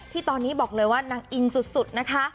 ที่ตอนนี้บอกเลยว่านางอินสุดนะคะ